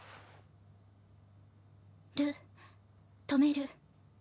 「る」「止める」。